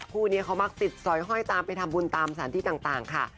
คู่นี้เขามักติดสอยห้อยตามไปทำบุญตามสถานที่ต่างค่ะ